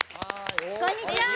こんにちは！